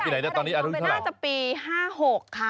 ปีไหนแต่ตอนนี้อารุณเท่าไหร่น่าจะปี๕๖ค่ะ